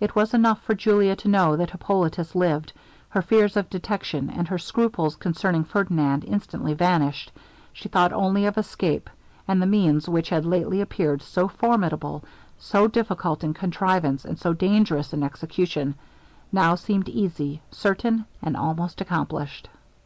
It was enough for Julia to know that Hippolitus lived; her fears of detection, and her scruples concerning Ferdinand, instantly vanished; she thought only of escape and the means which had lately appeared so formidable so difficult in contrivance, and so dangerous in execution, now seemed easy, certain, and almost accomplished.